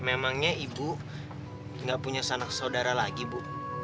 memangnya ibu nggak punya sanak saudara lagi bu